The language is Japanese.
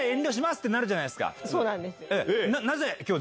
そうなんです。